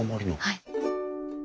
はい。